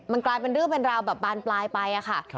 มันกลายเป็นเรื่องเป็นราวแบบบานปลายไปค่ะ